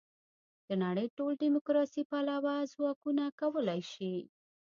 د نړۍ ټول دیموکراسي پلوه ځواکونه کولای شي.